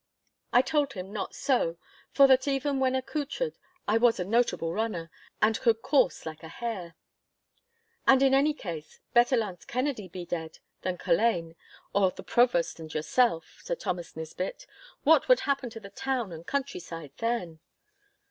I told him not so, for that even when accoutred I was a notable runner, and could course like a hare. 'And in any case, better Launce Kennedy be dead than Culzean, or the Provost and yourself, Sir Thomas Nisbett. What would happen to the town and countryside then?